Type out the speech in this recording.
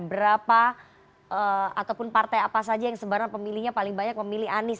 berapa ataupun partai apa saja yang sebenarnya pemilihnya paling banyak memilih anies